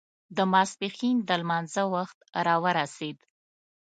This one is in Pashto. د ماسپښين د لمانځه وخت را ورسېد.